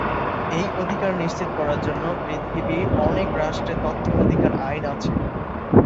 এই অধিকার নিশ্চিত করার জন্য পৃথিবীর অনেক রাষ্ট্রে তথ্য অধিকার আইন আছে।